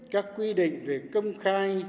các quy định về công khai